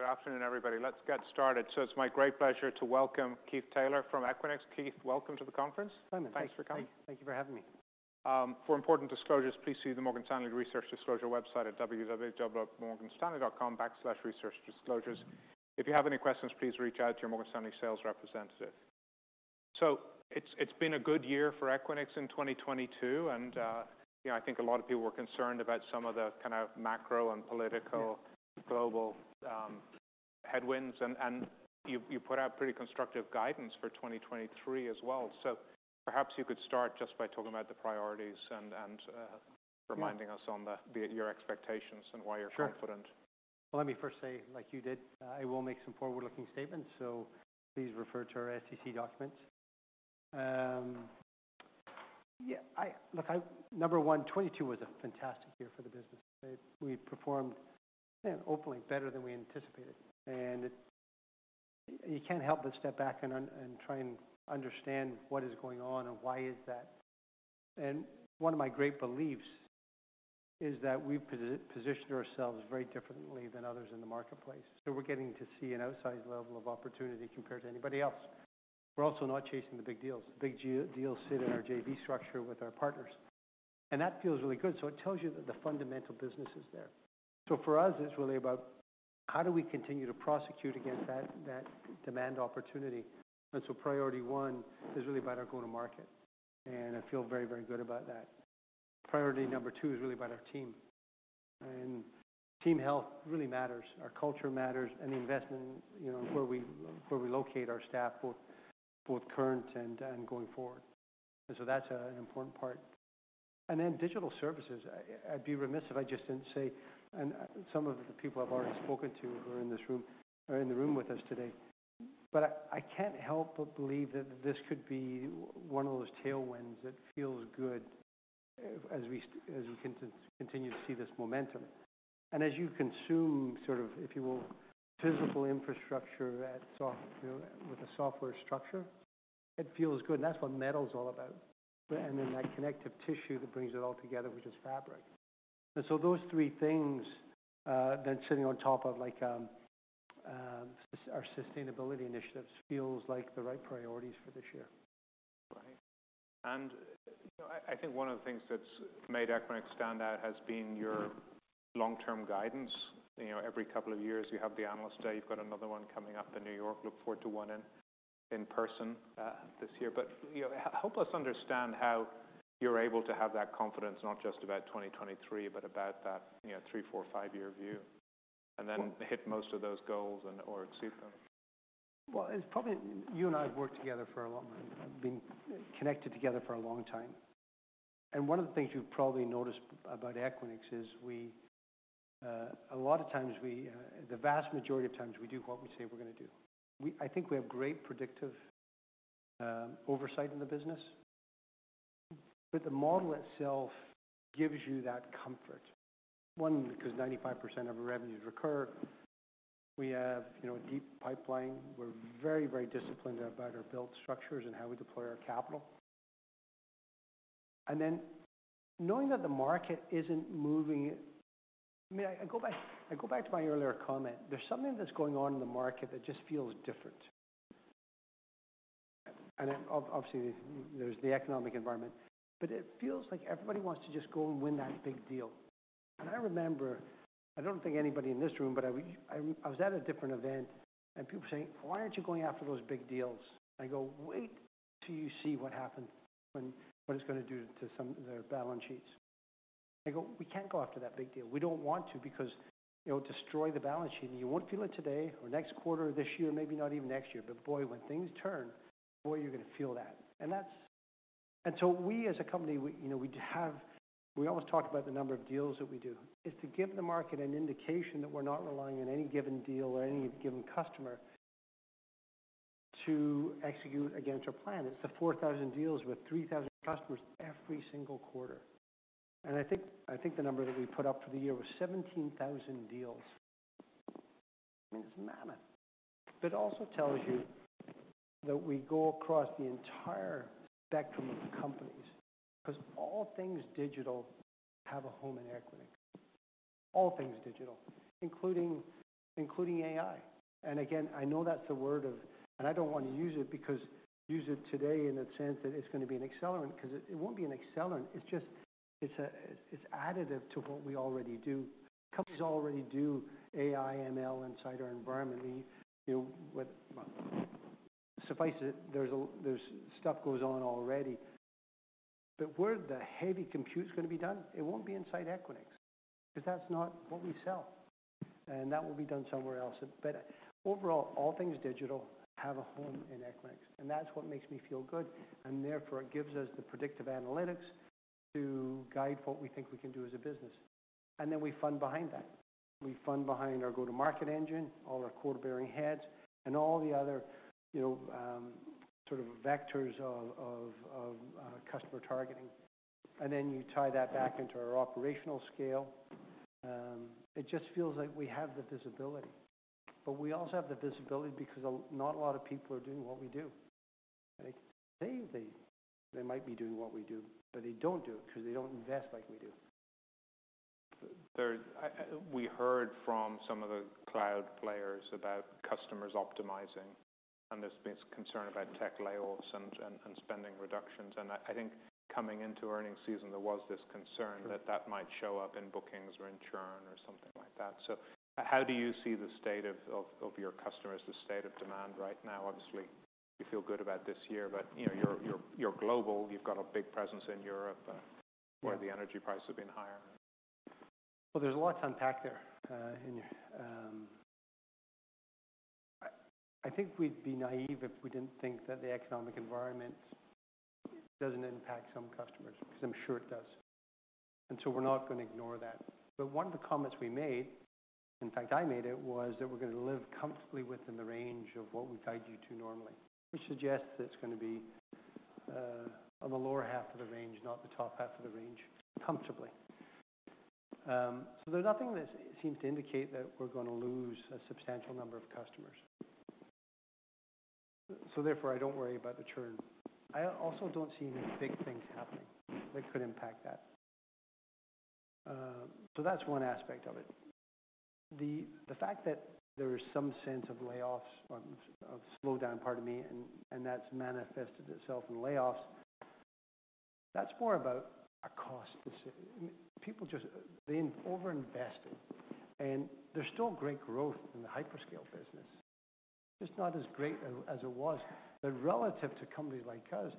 Good afternoon, everybody. Let's get started. It's my great pleasure to welcome Keith Taylor from Equinix. Keith, welcome to the conference. Simon. Thanks for coming. Thank you for having me. For important disclosures, please see the Morgan Stanley Research Disclosure website at www.morganstanley.com/researchdisclosures. If you have any questions, please reach out to your Morgan Stanley sales representative. It's been a good year for Equinix in 2022, and, you know, I think a lot of people were concerned about some of the kind of macro and political global headwinds and you put out pretty constructive guidance for 2023 as well. Perhaps you could start just by talking about the priorities and, reminding us your expectations and why you're confident. Sure. Let me first say, like you did, I will make some forward-looking statements, so please refer to our SEC documents. Yeah, look, number one, 2022 was a fantastic year for the business. We performed, you know, openly better than we anticipated. You can't help but step back and try and understand what is going on and why is that. One of my great beliefs is that we've positioned ourselves very differently than others in the marketplace. We're getting to see an outsized level of opportunity compared to anybody else. We're also not chasing the big deals. The big deals sit in our JV structure with our partners. That feels really good. It tells you that the fundamental business is there. For us, it's really about how do we continue to prosecute against that demand opportunity. Priority one is really about our go-to-market, and I feel very, very good about that. Priority number two is really about our team. Team health really matters. Our culture matters and the investment, you know, where we locate our staff, both current and going forward. That's an important part. Digital Services, I'd be remiss if I just didn't say, and some of the people I've already spoken to who are in this room are in the room with us today. I can't help but believe that this could be one of those tailwinds that feels good as we continue to see this momentum. As you consume, sort of, if you will, physical infrastructure you know, with a software structure, it feels good, and that's what Metal's all about. That connective tissue that brings it all together, which is Fabric. Those three things, then sitting on top of like, our sustainability initiatives feels like the right priorities for this year. Right. You know, I think one of the things that's made Equinix stand out has been your long-term guidance. You know, every couple of years you have the Analyst Day, you've got another one coming up in New York. Look forward to one in person, this year. You know, help us understand how you're able to have that confidence not just about 2023, but about that, you know, three, four, five-year view, and then hit most of those goals and or exceed them. Well, it's probably. You and I have been connected together for a long time. One of the things you've probably noticed about Equinix is we, a lot of times we, the vast majority of times we do what we say we're going to do. I think we have great predictive oversight in the business. The model itself gives you that comfort. One, because 95% of our revenues recur. We have, you know, a deep pipeline. We're very, very disciplined about our build structures and how we deploy our capital. Knowing that the market isn't moving. I mean, I go back to my earlier comment. There's something that's going on in the market that just feels different. Obviously, there's the economic environment, but it feels like everybody wants to just go and win that big deal. I remember, I don't think anybody in this room, but I was at a different event and people were saying, "Why aren't you going after those big deals?" I go, "Wait till you see what happens when what it's going to do to some of their balance sheets." I go, "We can't go after that big deal. We don't want to because it'll destroy the balance sheet, and you won't feel it today or next quarter or this year, maybe not even next year. Boy, when things turn, boy, you're going to feel that." That's. So we as a company, we, you know, we always talk about the number of deals that we do. It's to give the market an indication that we're not relying on any given deal or any given customer to execute against our plan. It's the 4,000 deals with 3,000 customers every single quarter. I think the number that we put up for the year was 17,000 deals. I mean, it's mammoth. Also tells you that we go across the entire spectrum of companies 'cause all things digital have a home in Equinix. All things digital, including AI. Again, I know that's a word of... I don't want to use it because use it today in a sense that it's going to be an accelerant 'cause it won't be an accelerant. It's just, it's additive to what we already do. Companies already do AI, ML inside our environment. We, you know, with. Suffice it, there's stuff goes on already. Where the heavy compute's gonna be done, it won't be inside Equinix, 'cause that's not what we sell. That will be done somewhere else. Overall, all things digital have a home in Equinix, and that's what makes me feel good. Therefore, it gives us the predictive analytics to guide what we think we can do as a business. Then we fund behind that. We fund behind our go-to-market engine, all our quarter-bearing heads and all the other, you know, sort of vectors of customer targeting. Then you tie that back into our operational scale. It just feels like we have the visibility. We also have the visibility because not a lot of people are doing what we do. They might be doing what we do, but they don't do it because they don't invest like we do. We heard from some of the cloud players about customers optimizing, and there's been concern about tech layoffs and spending reductions. I think coming into earnings season, there was this concern that that might show up in bookings or in churn or something like that. How do you see the state of your customers, the state of demand right now? Obviously, you feel good about this year, but, you know, you're global. You've got a big presence in Europe where the energy prices have been higher. Well, there's a lot to unpack there. I think we'd be naive if we didn't think that the economic environment doesn't impact some customers, because I'm sure it does, and so we're not gonna ignore that. One of the comments we made, in fact, I made it, was that we're gonna live comfortably within the range of what we guide you to normally, which suggests that it's gonna be on the lower half of the range, not the top half of the range, comfortably. There's nothing that seems to indicate that we're gonna lose a substantial number of customers. Therefore, I don't worry about the churn. I also don't see any big things happening that could impact that. That's one aspect of it. The, the fact that there is some sense of layoffs on...of slowdown, pardon me, and that's manifested itself in layoffs, that's more about a cost. People just, they overinvested. There's still great growth in the hyperscale business. Just not as great as it was. Relative to companies like us,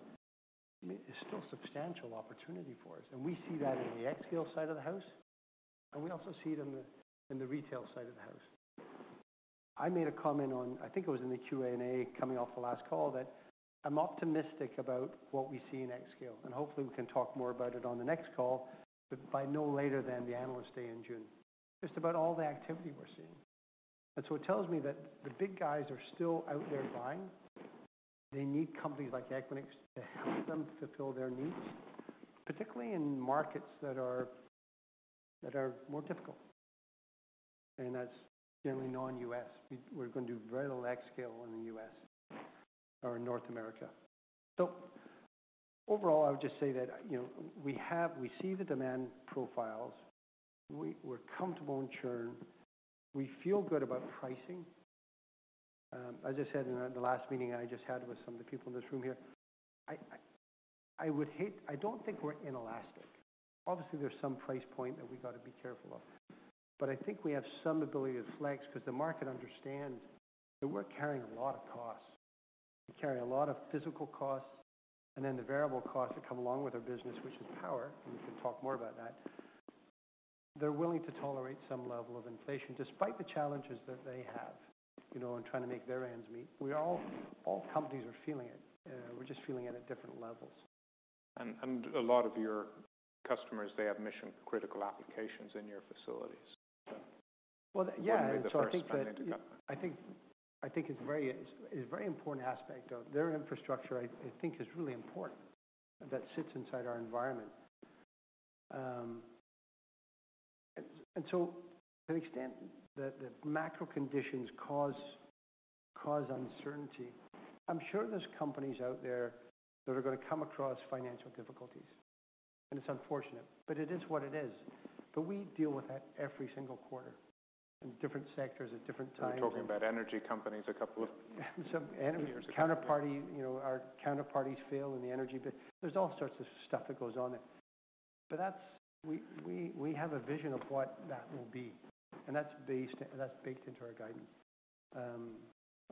there's still substantial opportunity for us, and we see that in the xScale side of the house, and we also see it in the, in the retail side of the house. I made a comment on, I think it was in the Q&A coming off the last call, that I'm optimistic about what we see in xScale, and hopefully we can talk more about it on the next call, but by no later than the Analyst Day in June. Just about all the activity we're seeing. It tells me that the big guys are still out there buying. They need companies like Equinix to help them fulfill their needs, particularly in markets that are more difficult. That's generally non-U.S. We're going to do very little xScale in the U.S. or North America. Overall, I would just say that, you know, we see the demand profiles. We, we're comfortable in churn. We feel good about pricing. As I said in the last meeting I just had with some of the people in this room here, I don't think we're inelastic. Obviously, there's some price point that we got to be careful of, but I think we have some ability to flex because the market understands that we're carrying a lot of costs. We carry a lot of physical costs and then the variable costs that come along with our business, which is power, and we can talk more about that. They're willing to tolerate some level of inflation despite the challenges that they have, you know, in trying to make their ends meet. All companies are feeling it. We're just feeling it at different levels. A lot of your customers, they have mission-critical applications in your facilities. Well, yeah. I think. It wouldn't be the first time that it got- I think it's very, it's a very important aspect of their infrastructure I think is really important that sits inside our environment. To the extent that the macro conditions cause uncertainty, I'm sure there's companies out there that are gonna come across financial difficulties, and it's unfortunate, but it is what it is. We deal with that every single quarter in different sectors at different times. We were talking about energy companies a couple of years ago. Some energy counterparty, you know, our counterparties fail in the energy business. There's all sorts of stuff that goes on there. We have a vision of what that will be, and that's baked into our guidance.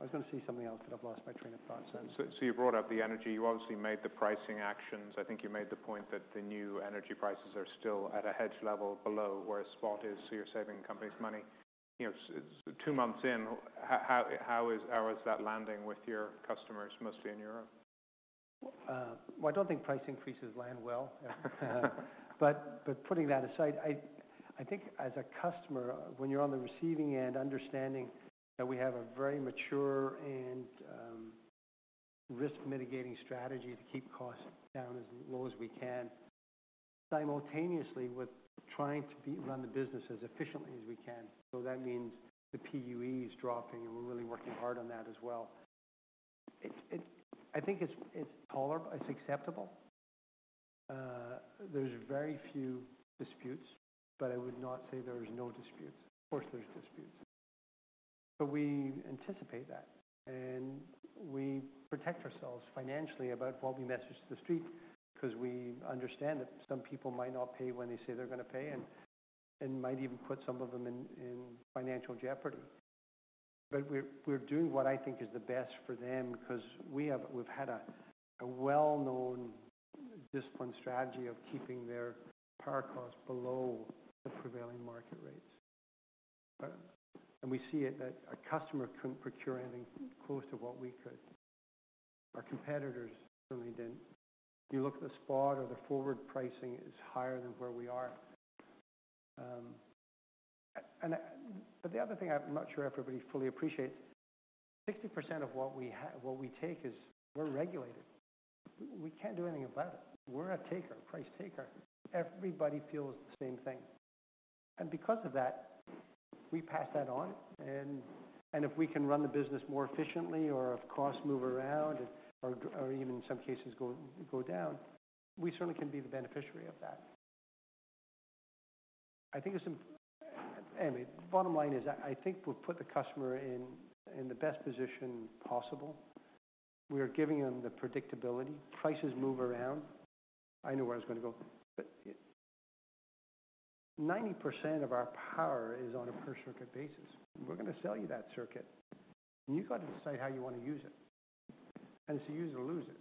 I was gonna say something else, but I've lost my train of thought, so. You brought up the energy. You obviously made the pricing actions. I think you made the point that the new energy prices are still at a hedge level below where spot is, so you're saving companies money. You know, two months in, how is that landing with your customers, mostly in Europe? Well, I don't think price increases land well. Putting that aside, I think as a customer, when you're on the receiving end, understanding that we have a very mature and risk mitigating strategy to keep costs down as low as we can, simultaneously with trying to run the business as efficiently as we can. That means the PUE is dropping, and we're really working hard on that as well. I think it's acceptable. There's very few disputes, but I would not say there's no disputes. Of course, there's disputes. We anticipate that, and we protect ourselves financially about what we message to the street because we understand that some people might not pay when they say they're gonna pay and might even put some of them in financial jeopardy. We're doing what I think is the best for them because we've had a well-known discipline strategy of keeping their power costs below the prevailing market rates. We see it that a customer couldn't procure anything close to what we could. Our competitors certainly didn't. You look at the spot or the forward pricing is higher than where we are. The other thing I'm not sure everybody fully appreciates, 60% of what we take is we're regulated. We can't do anything about it. We're a taker, price taker. Everybody feels the same thing. Because of that, we pass that on. If we can run the business more efficiently or if costs move around or even in some cases go down, we certainly can be the beneficiary of that. I think it's Anyway, bottom line is I think we've put the customer in the best position possible. We are giving them the predictability. Prices move around. I know where I was going to go, but 90% of our power is on a per circuit basis. We're going to sell you that circuit, and you've got to decide how you want to use it. It's use it or lose it.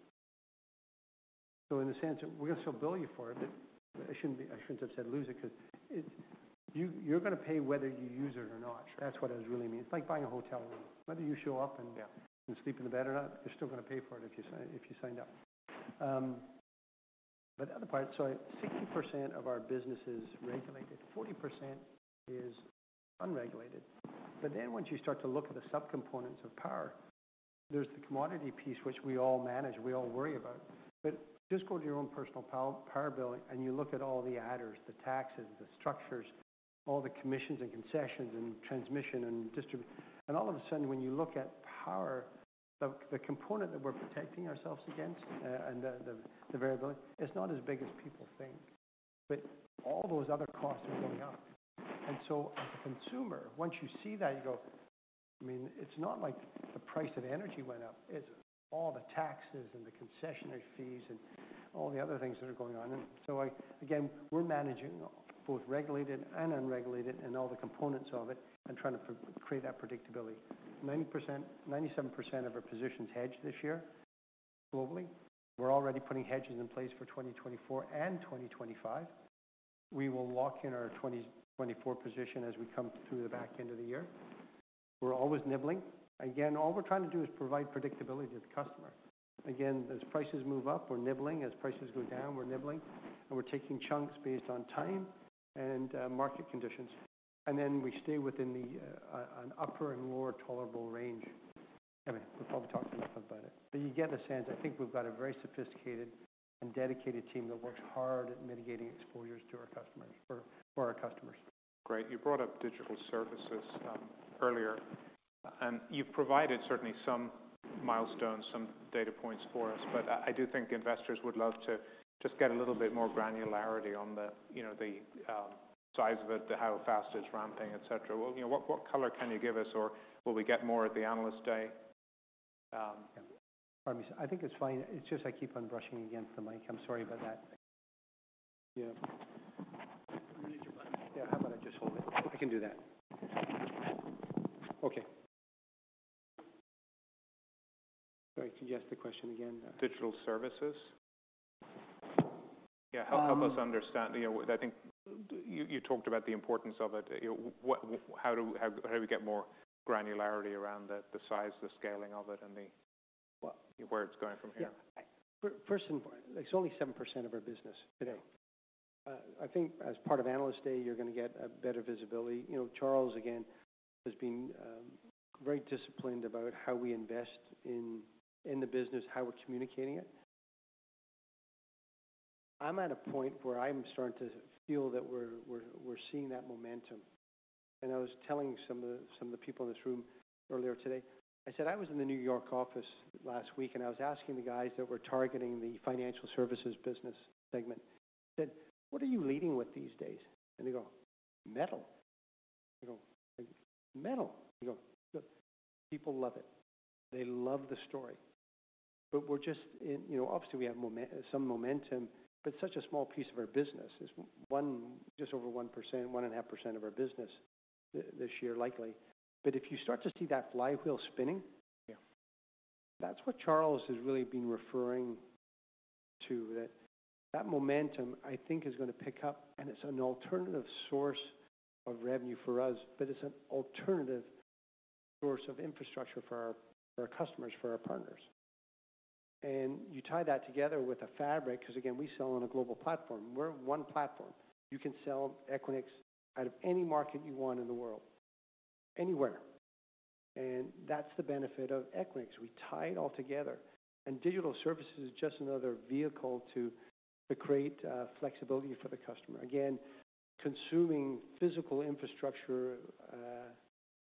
In the sense, we're going to still bill you for it, but I shouldn't have said lose it because You're going to pay whether you use it or not. That's what it really means. It's like buying a hotel room. Whether you show up and- Yeah. -and sleep in the bed or not, you're still going to pay for it if you signed up. The other part, so 60% of our business is regulated, 40% is unregulated. Once you start to look at the subcomponents of power, there's the commodity piece, which we all manage, we all worry about. Just go to your own personal power bill, you look at all the adders, the taxes, the structures, all the commissions and concessions and transmission. All of a sudden, when you look at power, the component that we're protecting ourselves against, and the variability is not as big as people think. All those other costs are going up. As a consumer, once you see that, you go, I mean, it's not like the price of energy went up. It's all the taxes and the concessionary fees and all the other things that are going on. Again, we're managing both regulated and unregulated and all the components of it and trying to create that predictability. 97% of our position's hedged this year globally. We're already putting hedges in place for 2024 and 2025. We will lock in our 2024 position as we come through the back end of the year. We're always nibbling. Again, all we're trying to do is provide predictability to the customer. Again, as prices move up, we're nibbling. As prices go down, we're nibbling, and we're taking chunks based on time and market conditions. We stay within the an upper and lower tolerable range. Anyway, we've probably talked enough about it. You get a sense, I think we've got a very sophisticated and dedicated team that works hard at mitigating exposures for our customers. Great. You brought up Digital Services earlier, and you've provided certainly some milestones, some data points for us. I do think investors would love to just get a little bit more granularity on the, you know, the size of it, how fast it's ramping, et cetera. What, you know, what color can you give us, or will we get more at the Analyst Day? Pardon me. I think it's fine. It's just I keep on brushing against the mic. I'm sorry about that. Yeah. You need your button. Yeah, how about I just hold it? I can do that. Okay. Sorry, could you ask the question again? Digital Services. Yeah. Um- Help us understand, you know, I think you talked about the importance of it. You know, what, how do we get more granularity around the size, the scaling of it, and the... Well- where it's going from here. It's only 7% of our business today. I think as part of Analyst Day, you're going to get a better visibility. You know, Charles, again, has been very disciplined about how we invest in the business, how we're communicating it. I'm at a point where I'm starting to feel that we're seeing that momentum. I was telling some of the people in this room earlier today, I said I was in the New York office last week, and I was asking the guys that we're targeting the financial services business segment. I said, "What are you leading with these days?" They go, "Metal." They go, "Metal." They go, "Look, people love it. They love the story. You know, obviously, we have some momentum, but it's such a small piece of our business. It's one, just over 1%, 1.5% of our business this year, likely. If you start to see that flywheel spinning. Yeah. That's what Charles has really been referring to that momentum, I think, is going to pick up. It's an alternative source of revenue for us, but it's an alternative source of infrastructure for our customers, for our partners. You tie that together with a fabric, 'cause again, we sell on a global platform. We're one platform. You can sell Equinix out of any market you want in the world, anywhere. That's the benefit of Equinix. We tie it all together. Digital Services is just another vehicle to create flexibility for the customer. Again, consuming physical infrastructure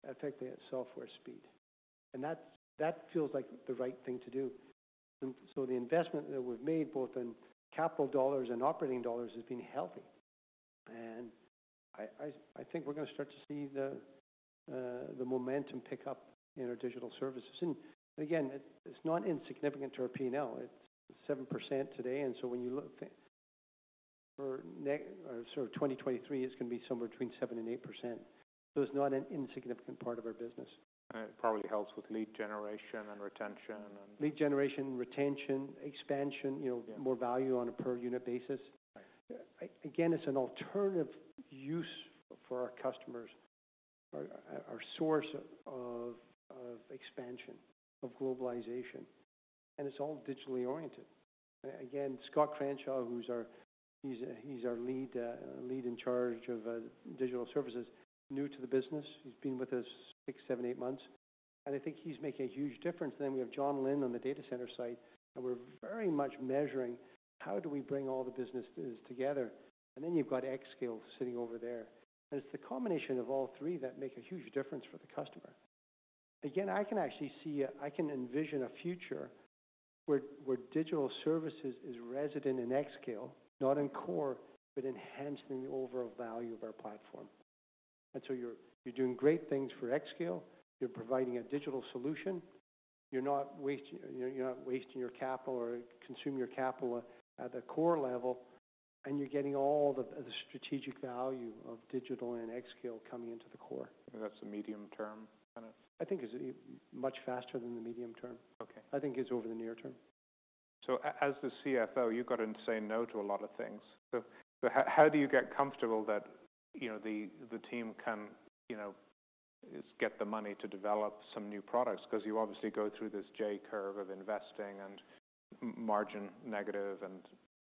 effectively at software speed. That feels like the right thing to do. The investment that we've made both in capital dollars and operating dollars has been healthy. I think we're going to start to see the momentum pick up in our Digital Services. Again, it's not insignificant to our P&L. It's 7% today. When you look for 2023, it's going to be somewhere between 7%-8%. It's not an insignificant part of our business. It probably helps with lead generation and retention and... Lead generation, retention, expansion, you know- Yeah. More value on a per unit basis. Right. Again, it's an alternative use for our customers, our source of expansion, of globalization, and it's all digitally oriented. Again, Scott Crenshaw, who's our lead in charge of Digital Services, new to the business. He's been with us 6, 7, 8 months. I think he's making a huge difference. We have Jon Lin on the data center site, and we're very much measuring how do we bring all the businesses together. You've got xScale sitting over there. It's the combination of all three that make a huge difference for the customer. Again, I can actually see I can envision a future where Digital Services is resident in xScale, not in core, but enhancing the overall value of our platform. So you're doing great things for xScale. You're providing a digital solution. You're not wasting your capital or consuming your capital at the core level. You're getting all the strategic value of digital and xScale coming into the core. That's the medium term kind of? I think it's much faster than the medium term. Okay. I think it's over the near term. As the CFO, you've got to say no to a lot of things. How do you get comfortable that, you know, the team can, you know, get the money to develop some new products? Because you obviously go through this J-curve of investing and margin negative and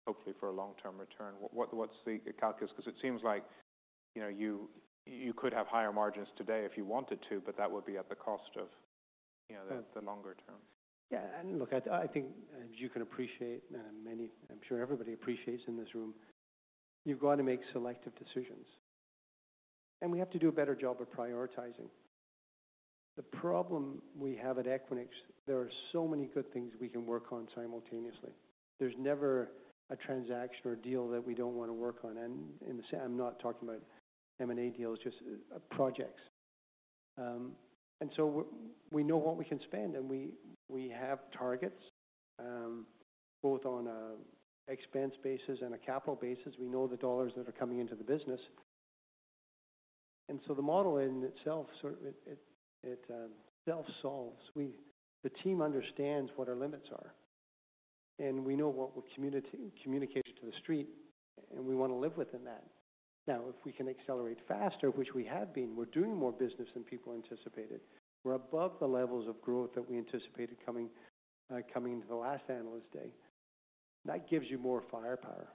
hopefully for a long-term return. What's the calculus? Because it seems like, you know, you could have higher margins today if you wanted to, but that would be at the cost of, you know, the longer term. Yeah. Look, I think as you can appreciate, I'm sure everybody appreciates in this room, you've got to make selective decisions. We have to do a better job of prioritizing. The problem we have at Equinix, there are so many good things we can work on simultaneously. There's never a transaction or deal that we don't want to work on. I'm not talking about M&A deals, just projects. We, we know what we can spend, and we have targets, both on an expense basis and a capital basis. We know the dollars that are coming into the business. The model in itself, sort of, it, it, self-solves. The team understands what our limits are, and we know what we're communicating to the street, and we want to live within that. Now, if we can accelerate faster, which we have been, we're doing more business than people anticipated. We're above the levels of growth that we anticipated coming into the last Analyst Day. That gives you more firepower.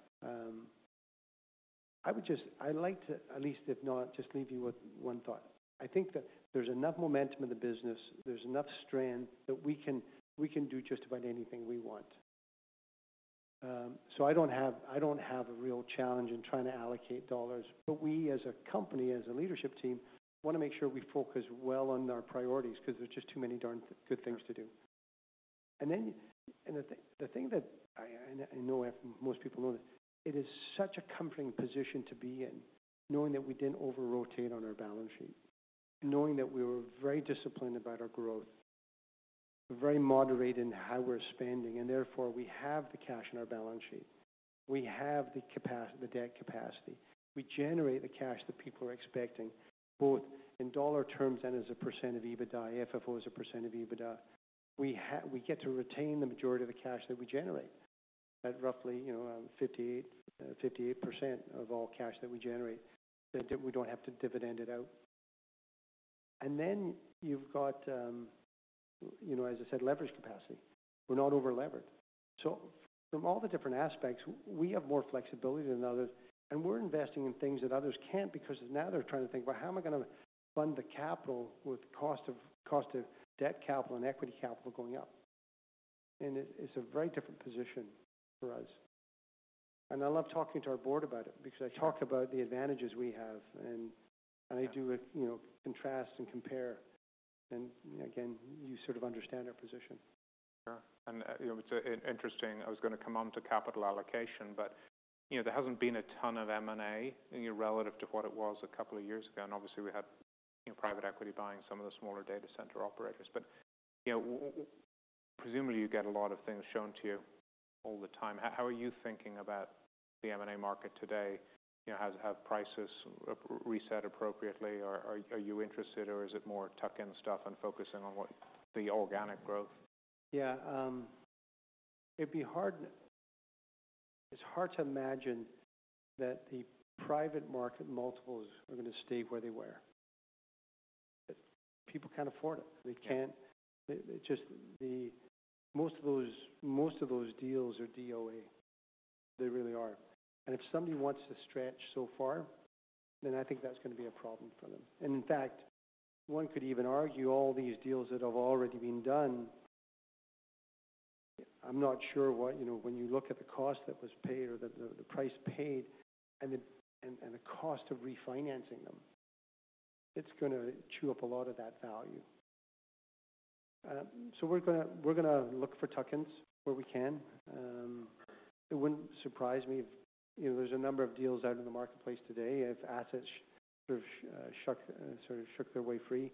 I like to at least, if not just leave you with one thought. I think that there's enough momentum in the business, there's enough strand that we can do just about anything we want. I don't have a real challenge in trying to allocate dollars. We, as a company, as a leadership team, want to make sure we focus well on our priorities because there's just too many darn good things to do. The thing that I know most people know this, it is such a comforting position to be in, knowing that we didn't over-rotate on our balance sheet, knowing that we were very disciplined about our growth. We're very moderate in how we're spending, and therefore, we have the cash in our balance sheet. We have the debt capacity. We generate the cash that people are expecting, both in dollar terms and as a % of EBITDA. FFO is a % of EBITDA. We get to retain the majority of the cash that we generate at roughly, you know, 58% of all cash that we generate, that we don't have to dividend it out. You've got, you know, as I said, leverage capacity. We're not over-levered. From all the different aspects, we have more flexibility than others, and we're investing in things that others can't because now they're trying to think, "Well, how am I gonna fund the capital with cost of debt capital and equity capital going up?" It's a very different position for us. I love talking to our board about it because I talk about the advantages we have, and I do it, you know, contrast and compare. Again, you sort of understand our position. Sure. You know, it's interesting. I was gonna come on to capital allocation, but, you know, there hasn't been a ton of M&A, you know, relative to what it was a couple of years ago. Obviously, we had, you know, private equity buying some of the smaller data center operators. You know, presumably, you get a lot of things shown to you all the time. How are you thinking about the M&A market today? You know, have prices reset appropriately? Or are you interested or is it more tuck-in stuff and focusing on what the organic growth? Yeah. It's hard to imagine that the private market multiples are gonna stay where they were. People can't afford it. They can't... It just Most of those deals are DOA. They really are. If somebody wants to stretch so far, then I think that's gonna be a problem for them. In fact, one could even argue all these deals that have already been done, I'm not sure what, you know, when you look at the cost that was paid or the price paid and the cost of refinancing them, it's gonna chew up a lot of that value. We're gonna look for tuck-ins where we can. It wouldn't surprise me if, you know, there's a number of deals out in the marketplace today if assets sort of shook their way free.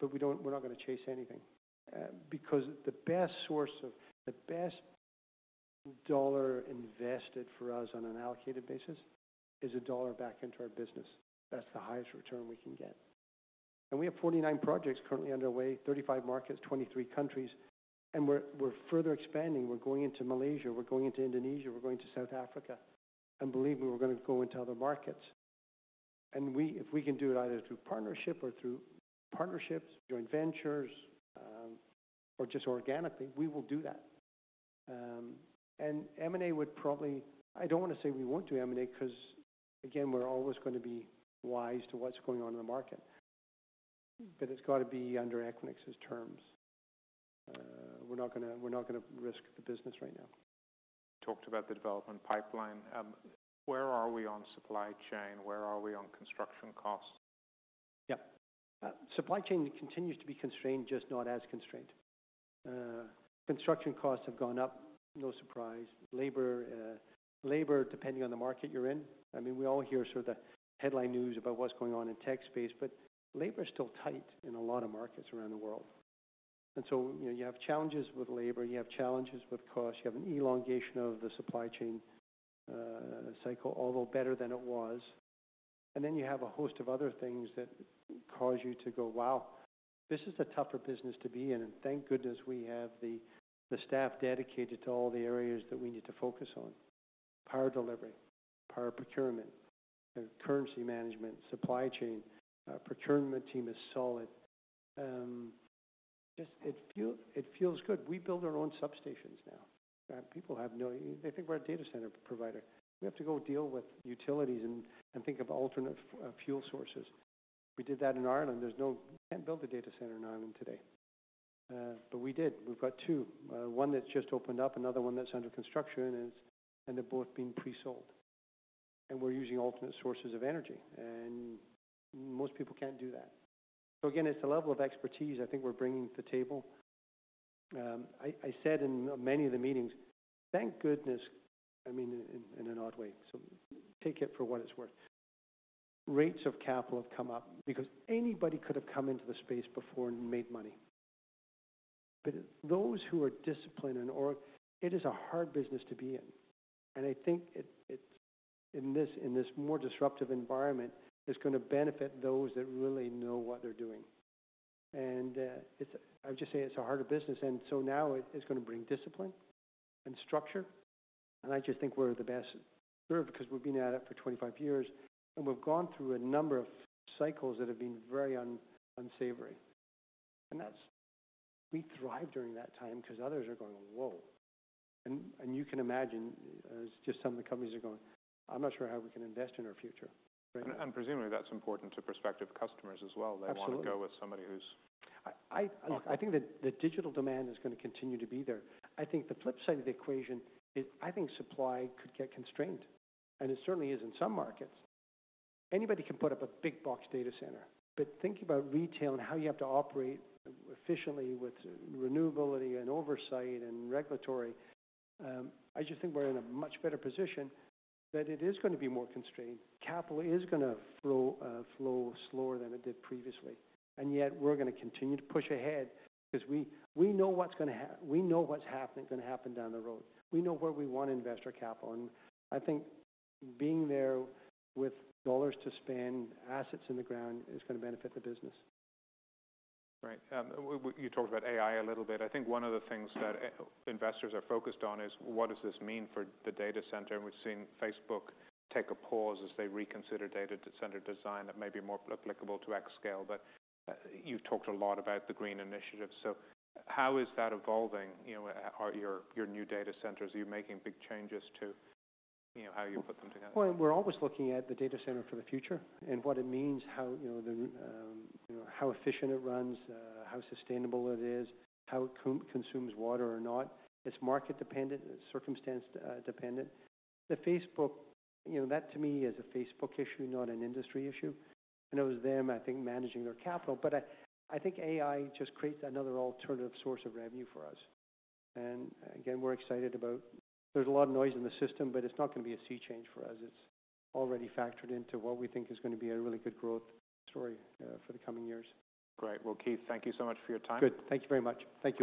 We're not gonna chase anything. Because the best dollar invested for us on an allocated basis is a dollar back into our business. That's the highest return we can get. We have 49 projects currently underway, 35 markets, 23 countries, and we're further expanding. We're going into Malaysia, we're going into Indonesia, we're going to South Africa. Believe me, we're gonna go into other markets. If we can do it either through partnership or through partnerships, joint ventures or just organically, we will do that. M&A I don't wanna say we won't do M&A 'cause, again, we're always gonna be wise to what's going on in the market. It's gotta be under Equinix's terms. We're not gonna risk the business right now. Talked about the development pipeline. Where are we on supply chain? Where are we on construction costs? Yeah. Supply chain continues to be constrained, just not as constrained. Construction costs have gone up, no surprise. Labor, depending on the market you're in. I mean, we all hear sort of the headline news about what's going on in tech space, but labor is still tight in a lot of markets around the world. You know, you have challenges with labor, you have challenges with cost, you have an elongation of the supply chain, cycle, although better than it was. You have a host of other things that cause you to go, "Wow, this is a tougher business to be in." Thank goodness we have the staff dedicated to all the areas that we need to focus on. Power delivery, power procurement, currency management, supply chain. Our procurement team is solid. Just it feels good. We build our own substations now. People have no. They think we're a data center provider. We have to go deal with utilities and think of alternate fuel sources. We did that in Ireland. There's no. You can't build a data center in Ireland today. But we did. We've got two. One that just opened up, another one that's under construction is. They're both being pre-sold. We're using alternate sources of energy, and most people can't do that. Again, it's the level of expertise I think we're bringing to the table. I said in many of the meetings, thank goodness, I mean, in an odd way, so take it for what it's worth. Rates of capital have come up because anybody could have come into the space before and made money. Those who are disciplined and/or... It is a hard business to be in. I think it, in this more disruptive environment, it's gonna benefit those that really know what they're doing. I would just say it's a harder business, so now it's gonna bring discipline and structure. I just think we're the best served because we've been at it for 25 years, and we've gone through a number of cycles that have been very unsavory. We thrive during that time because others are going, "Whoa." You can imagine as just some of the companies are going, "I'm not sure how we can invest in our future." Right? Presumably that's important to prospective customers as well. Absolutely. They wanna go with somebody. I think that the digital demand is gonna continue to be there. I think the flip side of the equation is I think supply could get constrained, and it certainly is in some markets. Anybody can put up a big box data center, but think about retail and how you have to operate efficiently with renewability and oversight and regulatory. I just think we're in a much better position that it is gonna be more constrained. Capital is gonna flow slower than it did previously. Yet we're gonna continue to push ahead 'cause we know what's going to happen down the road. We know where we wanna invest our capital. I think being there with dollars to spend, assets in the ground is gonna benefit the business. Right. you talked about AI a little bit. I think one of the things that investors are focused on is what does this mean for the data center? We've seen Facebook take a pause as they reconsider data center design that may be more applicable to xScale. you've talked a lot about the green initiative. how is that evolving? You know, are your new data centers, are you making big changes to, you know, how you put them together? Well, we're always looking at the data center for the future and what it means, how, you know, the, you know, how efficient it runs, how sustainable it is, how it consumes water or not. It's market dependent, it's circumstance dependent. The Facebook, you know, that to me is a Facebook issue, not an industry issue. It was them, I think, managing their capital. I think AI just creates another alternative source of revenue for us. Again, we're excited about. There's a lot of noise in the system, but it's not gonna be a sea change for us. It's already factored into what we think is gonna be a really good growth story for the coming years. Great. Well, Keith, thank you so much for your time. Good. Thank you very much. Thank you.